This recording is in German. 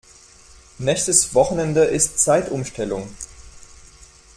Nächstes Wochenende ist Zeitumstellung.